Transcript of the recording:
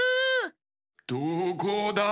・どこだ？